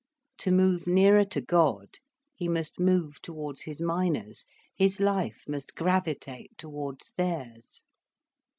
To move nearer to God, he must move towards his miners, his life must gravitate towards theirs.